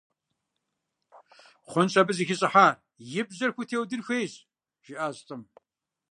Хъунщ абы зэхищӀыхьар, и бжьэр хутеудын хуейщ, – жиӀащ лӏым.